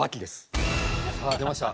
さあ出ました。